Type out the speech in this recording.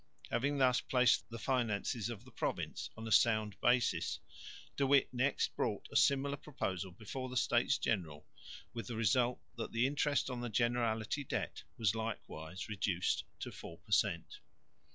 Having thus placed the finances of the province on a sound basis, De Witt next brought a similar proposal before the States General with the result that the interest on the Generality debt was likewise reduced to 4 per cent.